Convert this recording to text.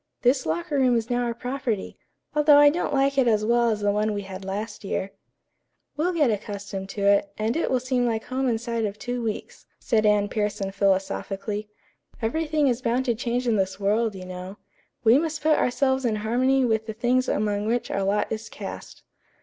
This locker room is now our property, although I don't like it as well as the one we had last year." "We'll get accustomed to it, and it will seem like home inside of two weeks," said Anne Pierson philosophically. "Everything is bound to change in this world, you know. 'We must put ourselves in harmony with the things among which our lot is cast.'"